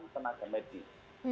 delapan tenaga medis